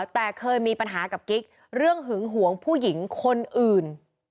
แต่เคยมีปัญหากับกิ๊กเรื่องหึงหวงผู้หญิงคนอื่น